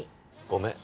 ごめん。